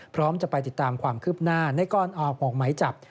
พร้อมจะไปติดตามความคืบหน้าในก่อนออกไหมจับ